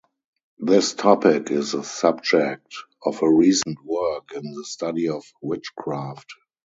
This topic is the subject of a recent work in the study of witchcraft.